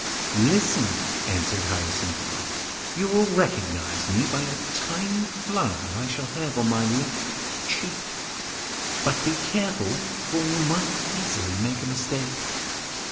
'Listen,' answered Hyacinthia. 'You will recognise me by a tiny fly I shall have on my left cheek, but be careful for you might easily make a mistake.